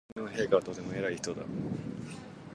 天皇陛下はとても偉い人だ